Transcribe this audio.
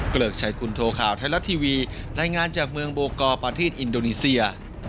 เกริกชัยคุณโทข่าวไทยรัฐทีวีรายงานจากเมืองโบกอร์ประเทศอินโดนีเซีย